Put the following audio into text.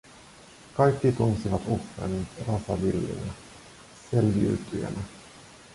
Kaikki tunsivat Uffen rasavillinä selviytyjänä.